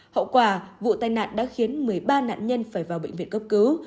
hậu quả vụ tai nạn đã khiến một mươi ba nạn nhân phải vào bệnh viện cấp cứu